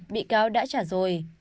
bị cáo đã trả rồi